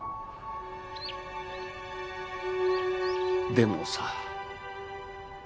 でもさ。